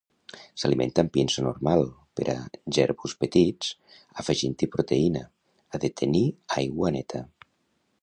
S'alimenta amb pinso normal per a jerbus petits afegint-hi proteïna, ha de tenir aigua neta.